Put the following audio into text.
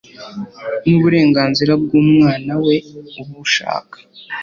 n uburenganzira bw umwana we ubushaka